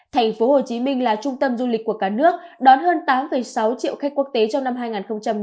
thành phố hồ chí minh là trung tâm du lịch của cả nước đón hơn tám sáu triệu khách quốc tế trong năm hai nghìn một mươi chín